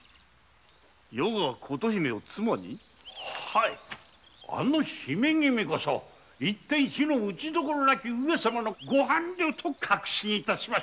余が琴姫を妻に⁉はいあの姫こそ非の打ちどころなき上様のご伴侶と確信致しました。